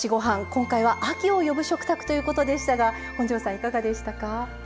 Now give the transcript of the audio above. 今回は「秋を呼ぶ食卓」ということでしたが本上さん、いかがでしたか？